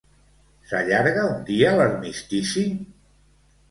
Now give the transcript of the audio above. S'allarga un dia l'armistici?